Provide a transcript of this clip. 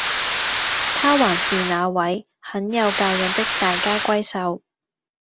她還是那位很有教養的大家閏秀